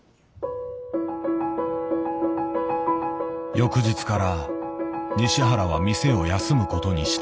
翌日から西原は店を休むことにした。